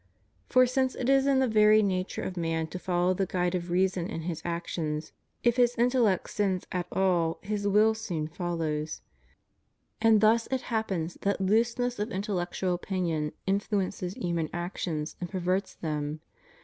For since it is in the very nature of man to follow the guide of reason in his actions, if his intellect sins at all his will soon follows; and thus it happens that looseness of intellectual opinion influences human actions and perverts them.